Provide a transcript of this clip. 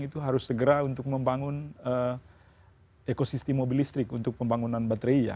itu harus segera untuk membangun ekosistem mobil listrik untuk pembangunan baterai ya